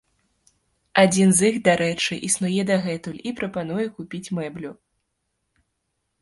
Адзін з іх, дарэчы, існуе дагэтуль і прапануе купіць мэблю.